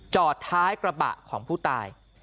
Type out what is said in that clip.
จอดท้ายกระบะของผู้ตาย